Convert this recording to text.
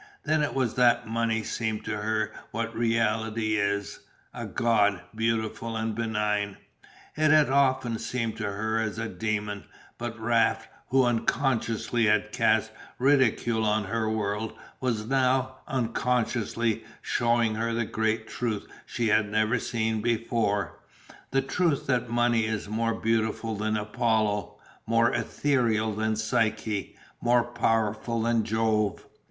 Then it was that Money seemed to her what it really is, a god, beautiful and benign. It had often seemed to her as a demon, but Raft, who unconsciously had cast ridicule on her world, was now, unconsciously, shewing her the great truth she had never seen before, the truth that Money is more beautiful than Apollo, more etherial than Psyche, more powerful than Jove.